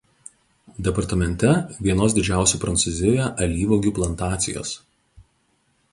Departamente vienos didžiausių Prancūzijoje alyvuogių plantacijos.